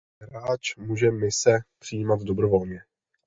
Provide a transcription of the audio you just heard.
Hráč může mise přijímat dobrovolně.